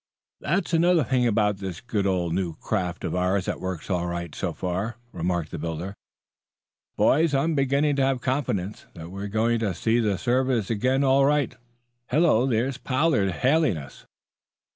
"That's another thing about this good old new craft of ours that works all right, so far," remarked the builder. "Boys, I'm beginning to have confidence that we're going to see the surface again all right. Hullo, there's Pollard hailing us."